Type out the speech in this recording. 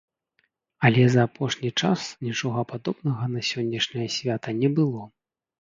Але за апошні час нічога падобнага на сённяшняе свята не было.